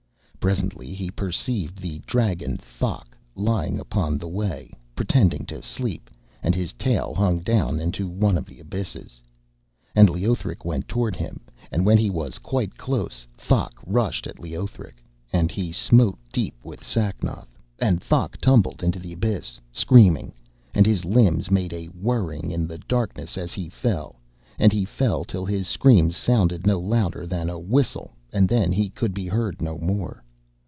Presently he perceived the dragon Thok lying upon the way, pretending to sleep, and his tail hung down into one of the abysses. And Leothric went towards him, and when he was quite close Thok rushed at Leothric. And he smote deep with Sacnoth, and Thok tumbled into the abyss, screaming, and his limbs made a whirring in the darkness as he fell, and he fell till his scream sounded no louder than a whistle and then could be heard no more.